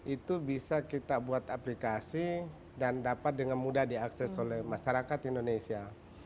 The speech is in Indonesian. itu bisa kita buat aplikasi dan dapat dengan mudah diakses oleh masyarakat indonesia